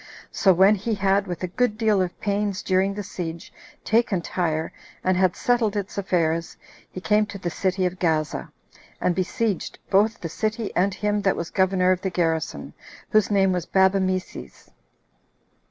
So when he had, with a good deal of pains during the siege, taken Tyre, and had settled its affairs, he came to the city of Gaza, and besieged both the city and him that was governor of the garrison, whose name was Babemeses.